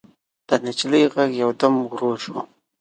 د نجلۍ غږ يودم ورو شو.